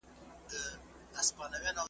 شرنګاشرنګ د پایزېبونو هر ګودر یې غزلخوان دی .